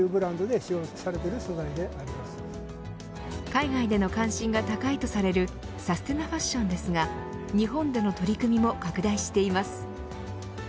海外での関心が高いとされるサステナファッションですが日本での取り組みも拡大しています。